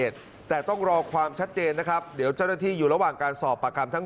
แต่ต้องรอความชัดเจนนะครับ